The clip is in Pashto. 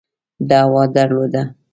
دعوه درلوده.